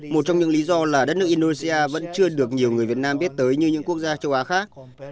một trong những lý do là đất nước indonesia vẫn chưa được nhiều người việt nam biết tới như những quốc gia châu á khác